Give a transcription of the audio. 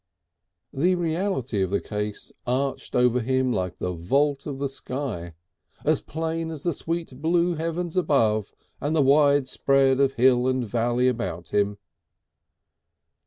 The reality of the case arched over him like the vault of the sky, as plain as the sweet blue heavens above and the wide spread of hill and valley about him.